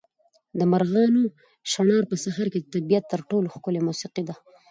د مرغانو چڼهار په سهار کې د طبیعت تر ټولو ښکلې موسیقي ده.